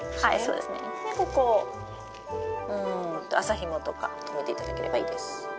でここをうんと麻ひもとか留めていただければいいです。